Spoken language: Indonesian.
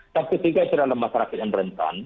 tahap ketiga itu dalam masyarakat yang rentan